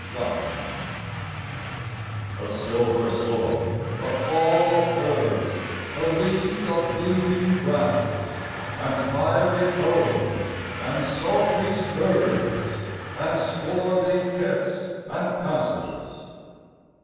Galatea A silver slope, a fall of firs, a league of gleaming grasses, And fiery cones, and sultry spurs, and swarthy pits and passes!